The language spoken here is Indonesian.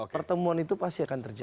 pertemuan itu pasti akan terjadi